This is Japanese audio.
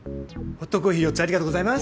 ホットコーヒー４つありがとうございます！